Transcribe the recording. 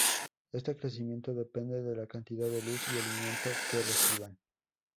Este crecimiento depende de la cantidad de luz y alimento que reciban.